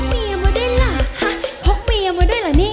พกเมียมาด้วยล่ะพกเมียมาด้วยล่ะเนี่ย